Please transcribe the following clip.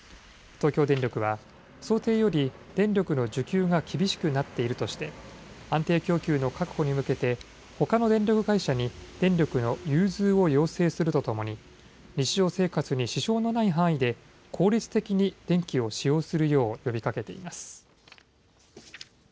東京電力は想定より電力の需給が厳しくなっているとして安定供給の確保に向けてほかの電力会社に電力の融通を要請するとともに日常生活に支障のない範囲で効率的に電気を使用するよう呼びかけています。